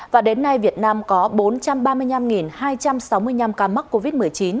và đến nay việt nam có bốn trăm ba mươi năm hai trăm sáu mươi năm ca mắc covid một mươi chín